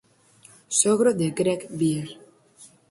Sogro de Greg Bear.